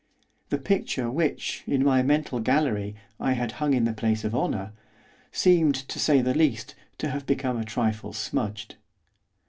The picture which, in my mental gallery, I had hung in the place of honour, seemed, to say the least, to have become a trifle smudged.